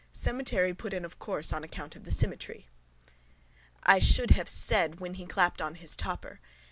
Cemetery put in of course on account of the symmetry. I should have said when he clapped on his topper.